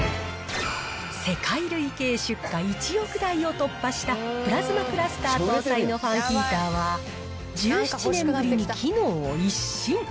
世界累計出荷１億台を突破したプラズマクラスター搭載のファンヒーターは、１７年ぶりに機能を一新。